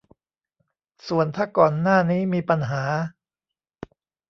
ส่วนถ้าก่อนหน้านี้มีปัญหา